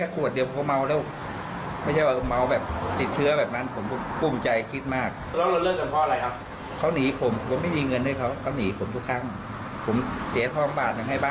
กลับประโยชน์ก็จะถ้าหายอีก๓๐๐๐ไปอยู่ด้วยกับเขา